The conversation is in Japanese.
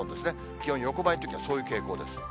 気温横ばいのときはそういう傾向です。